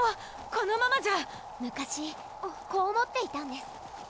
このままじゃ昔こう思っていたんです